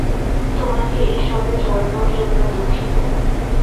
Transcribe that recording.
তোমাকে এইসবে জড়ানোর জন্য দুঃখিত।